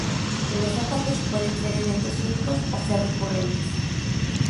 Los ataques pueden ser eventos únicos o ser recurrentes.